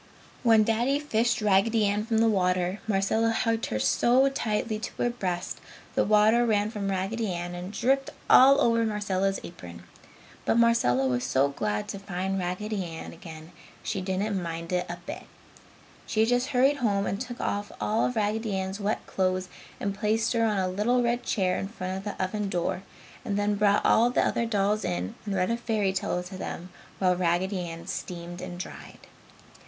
When Daddy fished Raggedy Ann from the water, Marcella hugged her so tightly to her breast the water ran from Raggedy Ann and dripped all over Marcella's apron. But Marcella was so glad to find Raggedy Ann again she didn't mind it a bit. She just hurried home and took off all of Raggedy Ann's wet clothes and placed her on a little red chair in front of the oven door, and then brought all of the other dolls in and read a fairy tale to them while Raggedy Ann steamed and dried.